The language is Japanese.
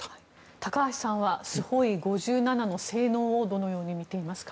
高橋さんはスホイ５７の性能をどのように見ていますか？